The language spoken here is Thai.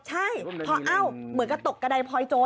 ใช่พอเอ้าเหมือนกับตกกระดายพลอยโจร